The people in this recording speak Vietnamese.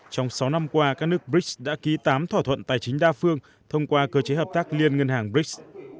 trong sáu năm qua các nước brics đã ký tám thỏa thuận tài chính đa phương thông qua cơ chế hợp tác liên ngân hàng brics